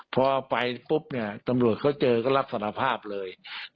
พอไปปุ๊บเนี่ยตำรวจเขาเจอก็รับสารภาพเลย